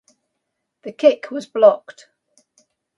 The kick was blocked.